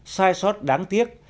sai sót đáng tiếc